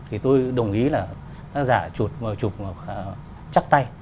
thì tôi đồng ý là giả chụp chắc tay